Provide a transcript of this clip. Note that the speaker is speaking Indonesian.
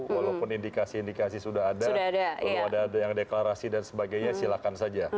walaupun indikasi indikasi sudah ada belum ada yang deklarasi dan sebagainya silakan saja